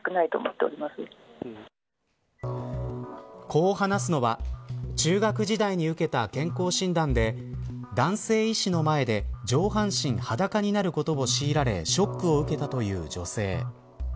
こう話すのは中学時代に受けた健康診断で男性医師の前で上半身裸になることを強いられショックを受けたという女性。